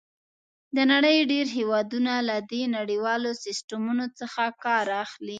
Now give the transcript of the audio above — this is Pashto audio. د نړۍ ډېر هېوادونه له دې نړیوالو سیسټمونو څخه کار اخلي.